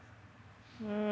うん。